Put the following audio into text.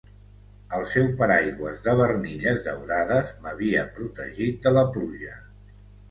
El seu paraigua de barnilles daurades m'havia protegit de la pluja.